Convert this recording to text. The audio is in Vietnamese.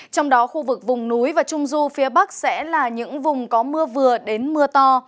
trong đó khu vực vùng núi và trung du phía bắc sẽ là những vùng có mưa vừa đến mưa to